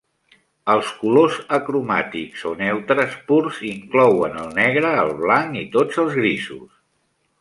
Els colors acromàtics o "neutres" purs inclouen el negre, el blanc i tots els grisos.